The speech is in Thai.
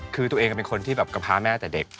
คือตัวเองต้องเป็นคนที่แบบกระพาย้าแม่แต่เด็ก